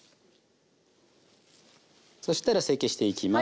そしたら成形していきます。